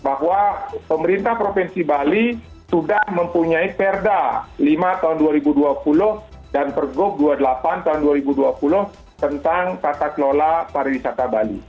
bahwa pemerintah provinsi bali sudah mempunyai perda lima tahun dua ribu dua puluh dan pergub dua puluh delapan tahun dua ribu dua puluh tentang kata kelola pariwisata bali